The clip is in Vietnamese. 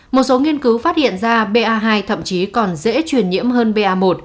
một số nghiên cứu phát hiện ra ba hai thậm chí còn dễ truyền nhiễm hơn ba một